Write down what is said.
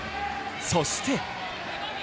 そして。